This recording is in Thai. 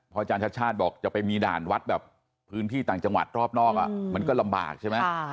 อาจารย์ชาติชาติบอกจะไปมีด่านวัดแบบพื้นที่ต่างจังหวัดรอบนอกมันก็ลำบากใช่ไหม